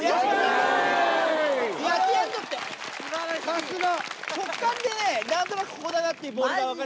さすが！